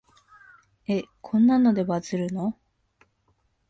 え、こんなのでバズるの？